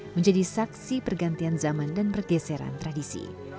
menjadi saksi pergantian zaman dan pergeseran tradisi